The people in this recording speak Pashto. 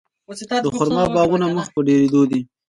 د خرما باغونه مخ په ډیریدو دي.